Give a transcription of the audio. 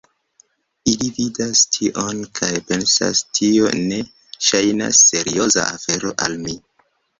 Ili vidas tion kaj pensas "Tio ne ŝajnas serioza afero al mi"